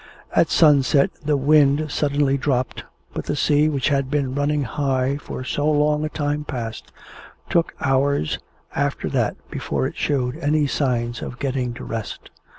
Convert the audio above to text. At sunset the wind suddenly dropped, but the sea, which had been running high for so long a time past, took hours after that before it showed any signs of getting to rest.